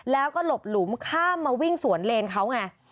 แล้วก็หลบหลุมข้ามมาวิ่งสวนเลนเขาไง